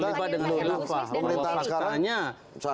terlibat dengan lelah